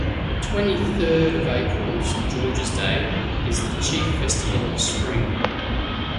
The twenty-third of April, St. George's Day, is the chief festival of spring.